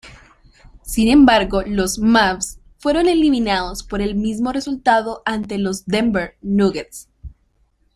Sin embargo los Mavs fueron eliminados por el mismo resultado ante los Denver Nuggets.